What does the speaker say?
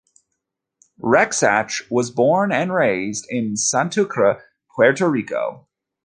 Rexach was born and raised in Santurce, Puerto Rico.